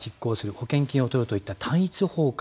保険金を取ろうといった単一放火。